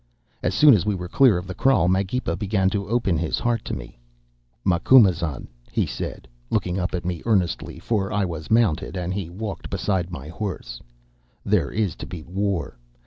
"As soon as we were clear of the kraal Magepa began to open his heart to me. "'Macumazahn,' he said, looking up at me earnestly, for I was mounted, and he walked beside my horse, 'there is to be war.